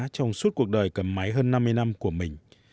trong suốt cuộc đời cầm máy hơn năm mươi năm của mình